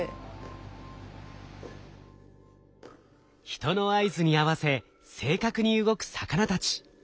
人の合図に合わせ正確に動く魚たち。